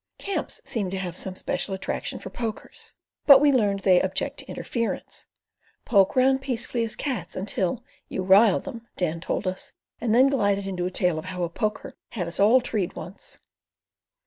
Camps seem to have some special attraction for pokers, but we learned they object to interference. Poke round peaceful as cats until "you rile them," Dan told us, and then glided into a tale of how a poker "had us all treed once."